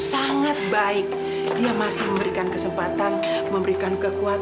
neng asyik kuasa dikenali nenek